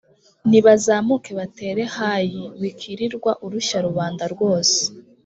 nibazamuke batere hayi! wikwirirwa urushya rubanda rwose.